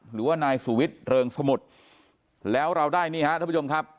หรือว่านายสุวิทย์เริงสมุทรแล้วเราได้นี่ฮะท่านผู้ชมครับ